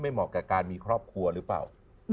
เหมาะกับการมีครอบครัวหรือเปล่า